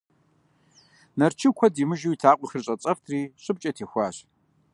Нарчу куэд имыжу и лъакъуэхэр щӀэцӀэфтри щӀыбкӀэ техуащ.